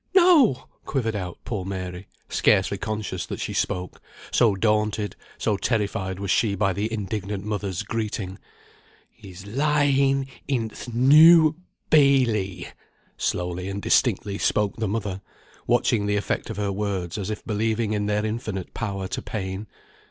"No!" quivered out poor Mary, scarcely conscious that she spoke, so daunted, so terrified was she by the indignant mother's greeting. "He's lying in th' New Bailey," slowly and distinctly spoke the mother, watching the effect of her words, as if believing in their infinite power to pain.